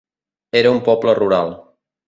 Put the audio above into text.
Era un poble rural.